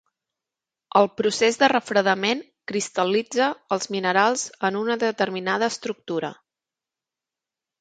El procés de refredament cristal·litza els minerals en una determinada estructura.